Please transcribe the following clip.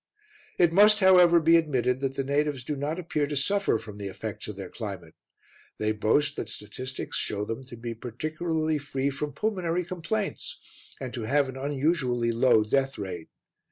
It must, however, be admitted that the natives do not appear to suffer from the effects of their climate. They boast that statistics show them to be particularly free from pulmonary complaints, and to have an unusually low death rate.